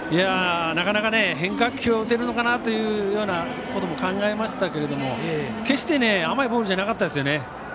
なかなかね、変化球を打てるのかなというようなことも考えましたけれども決して甘いボールじゃなかったですね。